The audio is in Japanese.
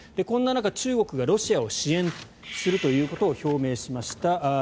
こんな中、中国がロシアを支援するということを表明しました。